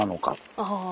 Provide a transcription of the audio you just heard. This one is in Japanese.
ああ。